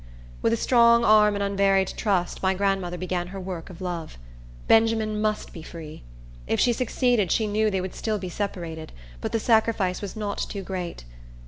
With a strong arm and unvaried trust, my grandmother began her work of love. Benjamin must be free. If she succeeded, she knew they would still be separated; but the sacrifice was not too great.